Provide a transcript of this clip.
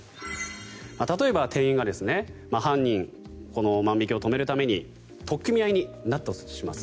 例えば店員が犯人万引きを止めるために取っ組み合いになったとします。